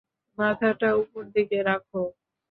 মাথাটা ওপরদিকে রাখো।